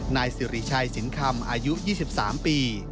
นายสิริชัยสินคำอายุ๒๓ปี